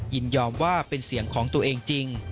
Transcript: ยินยอมว่าเป็นเสียงของตัวเองจริง